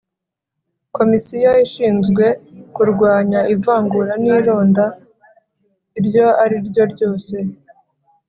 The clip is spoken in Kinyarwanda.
Komisiyo ishinzwe kurwanya ivangura n’ ironda iryo ariryo ryose